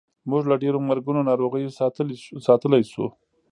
موږ له ډېرو مرګونو ناروغیو ساتلی شو.